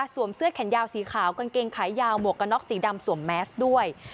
เสื้อแขนยาวสีขาวกางเกงขายาวหมวกกระน็อกสีดำสวมแมสด้วย